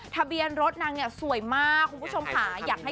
ทะเบียนรถนางเนี่ยสวยมากคุณผู้ชมค่ะ